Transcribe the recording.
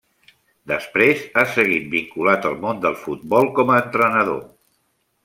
Després, ha seguit vinculat al món del futbol com a entrenador.